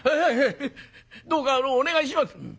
どうかお願いします」。